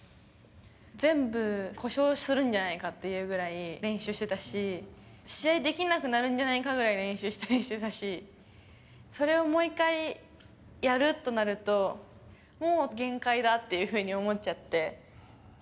全部、故障するんじゃないかっていうぐらい練習してたし、試合できなくなるんじゃないかぐらい練習してたし、それをもう一回やるとなると、もう限界だっていうふうに思っちゃって。